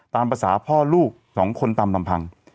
ตามภาษาพ่อลูกสองคนตามลำพัง